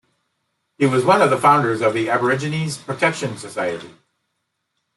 He was one of the founders of the Aborigines' Protection Society.